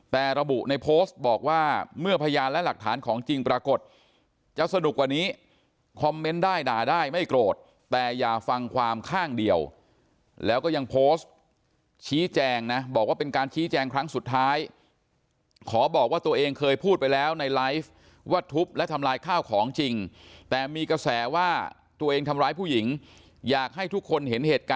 แต่ระบุในโพสต์บอกว่าเมื่อพยานและหลักฐานของจริงปรากฏจะสนุกกว่านี้คอมเมนต์ได้ด่าได้ไม่โกรธแต่อย่าฟังความข้างเดียวแล้วก็ยังโพสต์ชี้แจงนะบอกว่าเป็นการชี้แจงครั้งสุดท้ายขอบอกว่าตัวเองเคยพูดไปแล้วในไลฟ์ว่าทุบและทำลายข้าวของจริงแต่มีกระแสว่าตัวเองทำร้ายผู้หญิงอยากให้ทุกคนเห็นเหตุการณ์